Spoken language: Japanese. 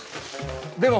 でも。